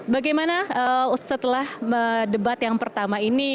bagaimana setelah debat yang pertama ini